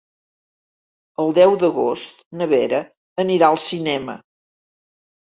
El deu d'agost na Vera anirà al cinema.